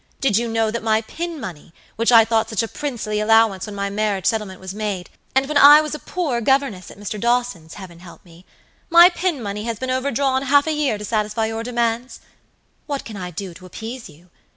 Do you know that my pin money, which I thought such a princely allowance when my marriage settlement was made, and when I was a poor governess at Mr. Dawson's, Heaven help me! my pin money has been overdrawn half a year to satisfy your demands? What can I do to appease you?